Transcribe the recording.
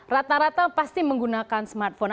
rata rata pasti menggunakan smartphone